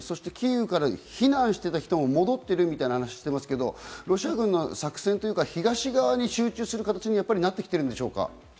キーウから避難していた人も戻ってるみたいな話をしていますけど、ロシア軍の作戦というか、東側に集中する形になってきているんでしょうか？